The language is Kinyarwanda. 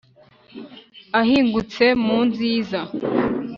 Ahingutse mu nziza